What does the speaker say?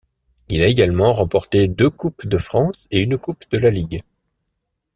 Il a également remporté deux Coupes de France et une Coupe de la Ligue.